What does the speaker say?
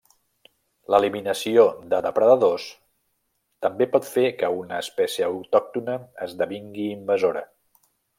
L'eliminació de depredadors també pot fer que una espècie autòctona esdevingui invasora.